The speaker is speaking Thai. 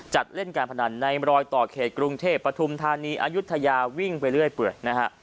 เล่นการพนันในรอยต่อเขตกรุงเทพปฐุมธานีอายุทยาวิ่งไปเรื่อยเปื่อยนะฮะ